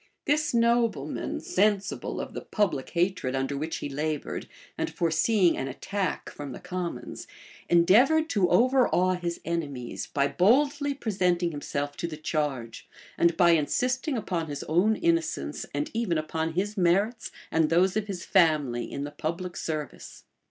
This nobleman, sensible of the public hatred under which he labored, and foreseeing an attack from the commons endeavored to overawe his enemies, by boldly presenting himself to the charge, and by insisting upon his own innocence and even upon his merits, and those of his family, in the public service.